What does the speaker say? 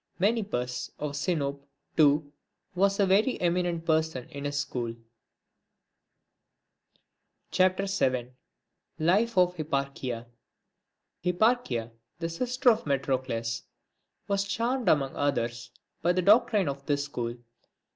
Menippus, of Sinope, too, was a very eminent person in his school. LIFE OF HIPPARCHIA. I. HIPPAECHIA, the sister of Metrocles, was charmed among others, by the doctrines of this school.